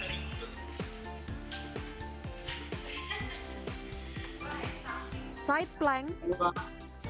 bilang untuk ulang dan mulus